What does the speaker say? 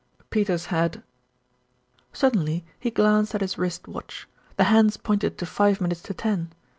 Peters had Suddenly he glanced at his wrist watch. The hands pointed to five minutes to ten.